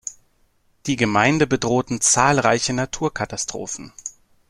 Die Gemeinde bedrohten zahlreiche Naturkatastrophen.